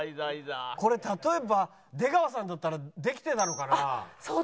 これ例えば出川さんだったらできてたのかな？